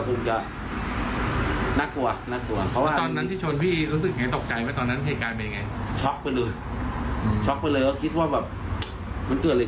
พอหันออกไปว่าจะวิ่งมาดูซักหน่อย